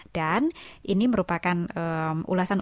dan ini merupakan ulasan